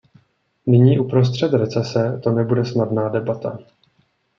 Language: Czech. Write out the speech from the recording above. Nyní, uprostřed recese, to nebude snadná debata.